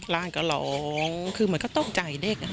ร่างก็ร้องคือเหมือนก็ตกใจเด็ก